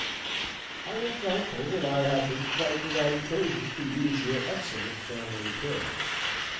"I am thankful that I have been quite without occasion to use your excellent family pills.